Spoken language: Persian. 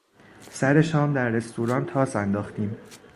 سر شام در رستوران تاس انداختیم.